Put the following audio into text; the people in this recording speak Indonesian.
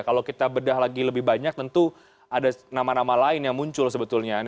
kalau kita bedah lagi lebih banyak tentu ada nama nama lain yang muncul sebetulnya